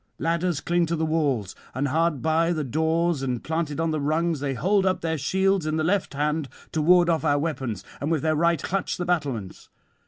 Ladders cling to the walls; and hard by the doors and planted on the rungs they hold up their shields in the left hand to ward off our weapons, and with their right clutch the battlements.